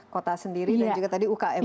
kota sendiri dan juga tadi ukm